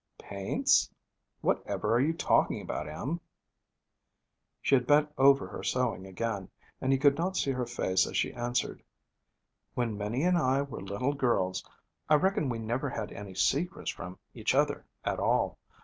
'Paints? What ever are you talking about, Em?' She had bent over her sewing again, and he could not see her face as she answered, 'When Minnie and I were little girls, I reckon we never had any secrets from each other, at all.